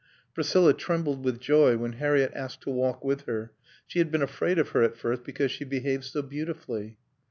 Priscilla trembled with joy when Harriett asked her to walk with her; she had been afraid of her at first because she behaved so beautifully.